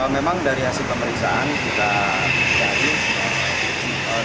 memang dari hasil pemeriksaan kita gaji